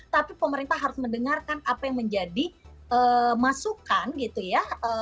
tapi pemerintah harus mendengarkan apa yang menjadi masukan gitu ya